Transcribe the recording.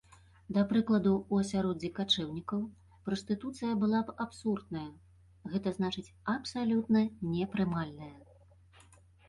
Да прыкладу, у асяроддзі качэўнікаў, прастытуцыя была б абсурдная, гэта значыць абсалютна непрымальная.